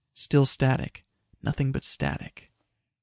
Still static. Nothing but static.